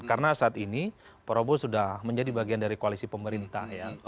karena saat ini prabowo sudah menjadi bagian dari koalisi pemerintah